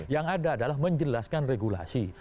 yang ada adalah menjelaskan regulasi